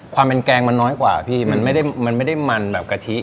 ความเป็นแกงมันน้อยกว่าพี่มันไม่ได้มันแบบกะทิ